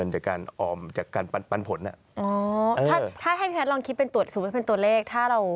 ถ้าให้พี่แพทย์ลองคิดสมมุติเป็นตัวเลขถ้าเรา